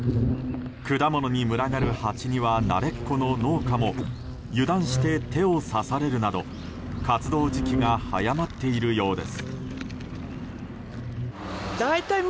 果物に群がるハチには慣れっこの農家も油断して手を刺されるなど活動時期が早まっているよです。